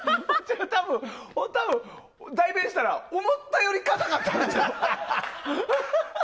多分、代弁したら思ったより硬かったんちゃう。